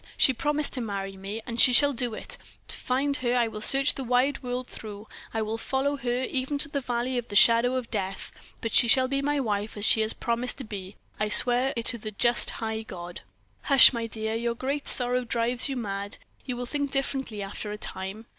She promised to marry me, and she shall do it. To find her I will search the wide world through. I will follow her, even to the valley of the shadow of death, but she shall be my wife as she has promised to be I swear it to the just high God!" "Hush, my dear; your great sorrow drives you mad. You will think differently after a time."